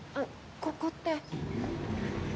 ここって。